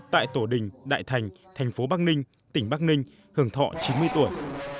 tại tổ đình đại thành thành phố bắc ninh tỉnh bắc ninh hưởng thọ chín mươi tuổi